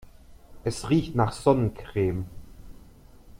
Es riecht nach Sonnencreme.